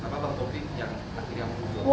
kenapa pak taufik yang akhirnya mau buka